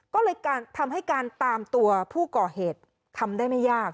ก็เลยทำให้การตามตัวผู้ก่อเหตุทำได้ไม่ยาก